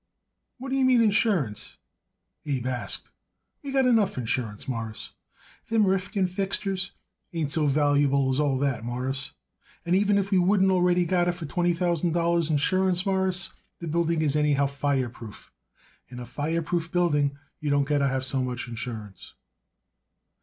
"What do you mean, insurance?" Abe asked. "We got enough insurance, Mawruss. Them Rifkin fixtures ain't so valuable as all that, Mawruss, and even if we wouldn't already got it for twenty thousand dollars insurance, Mawruss, the building is anyhow fireproof. In a fireproof building you don't got to have so much insurance."